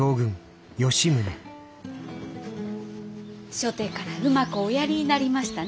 初手からうまくおやりになりましたね